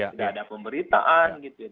tidak ada pemberitaan gitu ya tidak ada